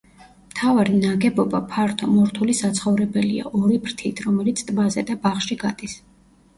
მთავარი ნაგებობა ფართო, მორთული საცხოვრებელია, ორი ფრთით, რომელიც ტბაზე და ბაღში გადის.